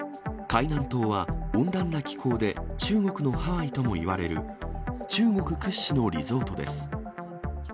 海南島は温暖な気候で、中国のハワイともいわれる、中国屈指のリゾートです。